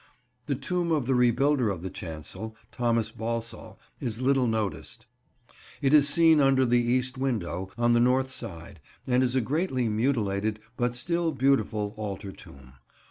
The tomb of the rebuilder of the chancel, Thomas Balsall, is little noticed. It is seen under the east window, on the north side, and is a greatly mutilated, but still beautiful, altar tomb.